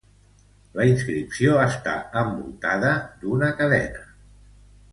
La inscripció està envoltada d'una cadena.